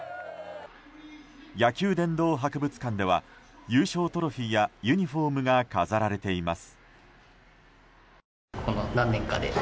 野球殿堂博物館では優勝トロフィーやユニホームが飾られています。